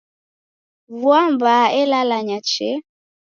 Vua mbaa elalanya chee!